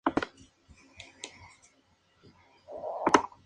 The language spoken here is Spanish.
La noción tradicional de palabra primitiva puede ser substituida por la de lexema.